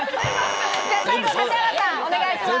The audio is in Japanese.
最後、指原さんお願いします。